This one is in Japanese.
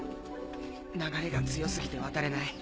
流れが強過ぎて渡れない。